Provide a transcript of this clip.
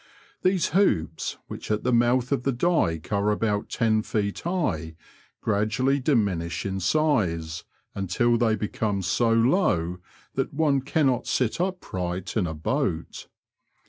These hoops, which at the mouth of the dyke are about ten feet high, gradually diminish in size, until they become so low that one cannot sit upright in a boat.